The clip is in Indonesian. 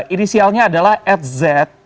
inisialnya adalah fz